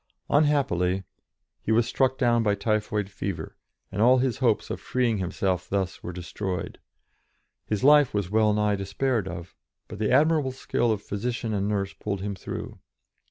Unhappily he was struck down by typhoid fever, and all his hopes of freeing himself thus were destroyed. His life was well nigh despaired of, but the admirable skill of physician and nurse pulled him through.